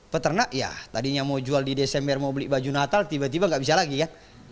peternak ya tadinya mau jual di desember mau beli baju natal tiba tiba nggak bisa lagi ya